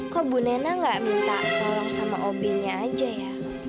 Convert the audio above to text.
kok bu nena nggak minta tolong sama o b nya aja ya